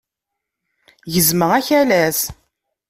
Gezmeɣ akalas.